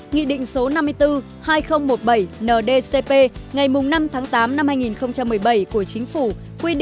nghị định số năm mươi bốn hai nghìn một mươi bảy ndcp ngày năm tháng tám năm hai nghìn một mươi bảy của chính phủ quy định